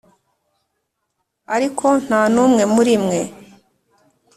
ariko ntanumwe murimwe